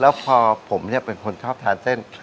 แล้วพอผมเป็นคนชอบทานเส้น